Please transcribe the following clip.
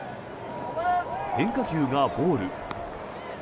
変化球がボール。